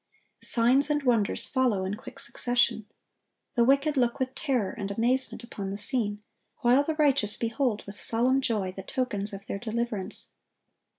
Signs and wonders follow in quick succession. The wicked look with terror and amazement upon the scene, while the righteous behold with solemn joy the tokens of their deliverance.